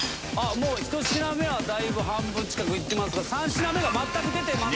もう１品目はだいぶ半分近くいってますが３品目が全く出てません